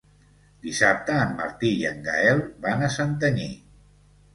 Dissabte en Martí i en Gaël van a Santanyí.